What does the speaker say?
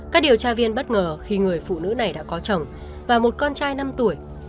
các điều tra viên bất ngờ khi người phụ nữ này đã có chồng và một con trai năm tuổi